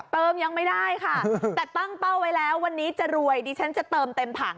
ยังไม่ได้ค่ะแต่ตั้งเป้าไว้แล้ววันนี้จะรวยดิฉันจะเติมเต็มถัง